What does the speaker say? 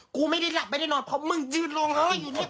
กูไม่ได้หลับไม่ได้นอนเพราะมึงยืนร้องไห้อยู่เนี่ย